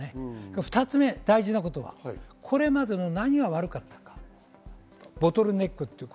２つ目に大事なのは、これまで何が悪かったのか、ボトルネック。